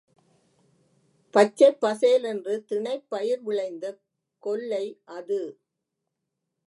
பச்சைப் பசேல் என்று தினைப் பயிர் விளைந்த கொல்லை அது.